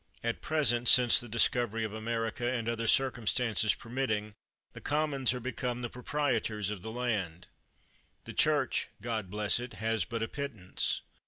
At present, since the discovery of America, and other circumstances permitting, the Commons are become the proprietors of the land. The Church (God bless it!) has but a pittance.